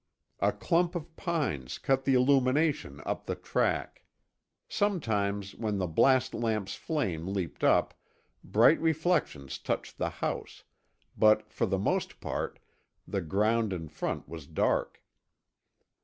A clump of pines cut the illumination up the track. Sometimes when the blast lamp's flame leaped up, bright reflections touched the house, but for the most part, the ground in front was dark.